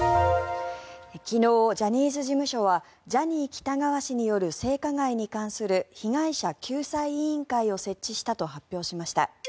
昨日、ジャニーズ事務所はジャニー喜多川氏による性加害に関する被害者救済委員会を設置したと発表しました。